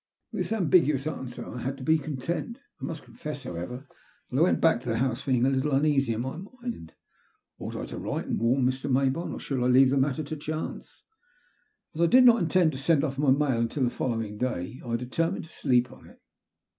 With this ambiguous answer I had to be content I must confess, however, that I went back to the house feeling a little uneasy in my mind. Ought I to write and warn Mr. Mayboume, or should I leave the matter to chance? As I did not intend to send off my mail until the following day, I determined to sleep on it.